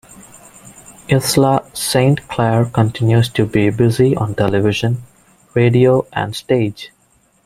Isla Saint Clair continues to be busy on television, radio and stage.